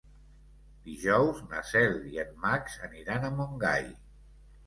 Dijous na Cel i en Max aniran a Montgai.